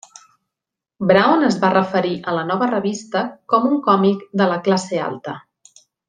Brown es va referir a la nova revista com un còmic de la classe alta.